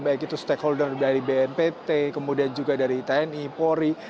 baik itu stakeholder dari bnpt kemudian juga dari tni polri